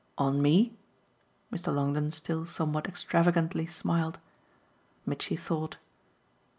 "On me?" Mr. Longdon still somewhat extravagantly smiled. Mitchy thought.